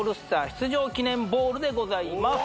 出場記念ボールでございます・